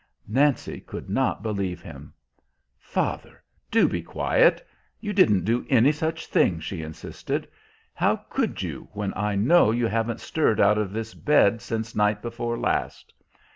Nancy could not believe him. "Father, do be quiet; you didn't do any such thing," she insisted. "How could you, when I know you haven't stirred out of this bed since night before last?